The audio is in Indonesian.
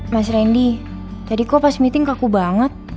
mas randy jadi kok pas meeting kaku banget